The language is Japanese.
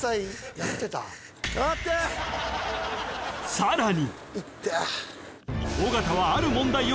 ［さらに］